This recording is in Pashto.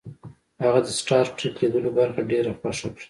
هغه د سټار ټریک لیدلو برخه ډیره خوښه کړه